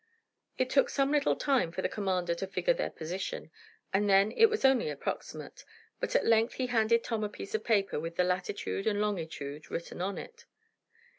It took some little time for the commander to figure their position, and then it was only approximate. But at length he handed Tom a piece of paper with the latitude and longitude written on it.